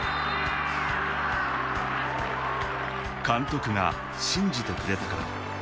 監督が信じてくれたから。